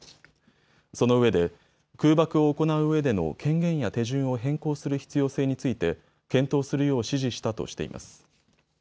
そのうえで空爆を行ううえでの権限や手順を変更する必要性について検討するよう指示したとしています。